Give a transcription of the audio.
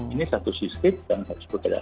ini satu sistem yang harus dipercaya